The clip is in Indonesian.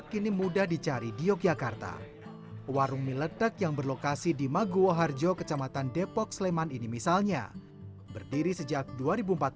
warung mie letek ini mudah dicari di yogyakarta warung mie letek yang berlokasi di maguwo harjo kecamatan depok sleman ini misalnya berdiri sejak dua ribu empat belas warung ini menyajikan kepentingan